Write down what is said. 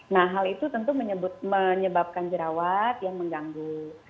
nah hal itu tentu menyebabkan jerawat yang mengganggu